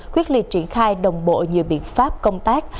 quyết liệt triển khai đồng bộ nhiều biện pháp công tác